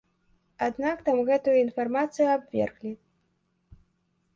Аднак там гэтую інфармацыю абверглі.